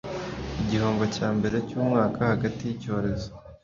igihombo cyambere cyumwaka hagati yicyorezo